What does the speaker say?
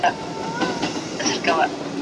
نن جهاني په ستړو منډو رباتونه وهي.